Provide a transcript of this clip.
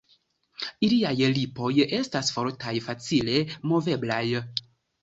Iliaj lipoj estas fortaj, facile moveblaj.